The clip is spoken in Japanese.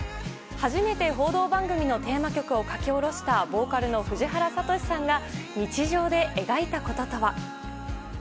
初めて報道番組のテーマ曲を書き下ろしたボーカルの藤原聡さんが「日常」で描いたこととは。